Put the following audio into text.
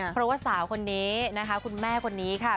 เพราะว่าสาวคนนี้นะคะคุณแม่คนนี้ค่ะ